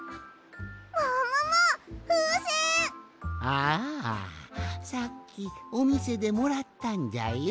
ああさっきおみせでもらったんじゃよ。